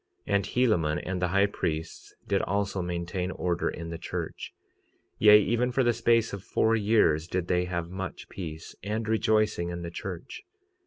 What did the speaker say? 46:38 And Helaman and the high priests did also maintain order in the church; yea, even for the space of four years did they have much peace and rejoicing in the church.